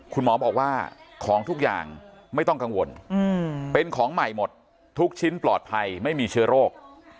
คุณหมอบอกว่าของทุกอย่างไม่ต้องกังวลเป็นของใหม่หมดทุกชิ้นปลอดภัยไม่มีเชื้อโรค